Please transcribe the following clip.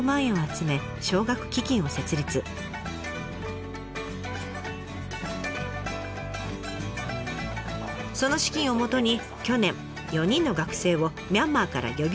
その資金をもとに去年４人の学生をミャンマーから呼び寄せています。